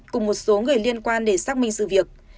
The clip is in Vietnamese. cùng một số người liên quan để xác minh sự việc